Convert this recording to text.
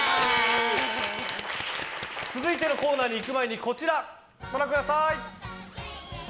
続いてのコーナーにいく前にこちらご覧ください。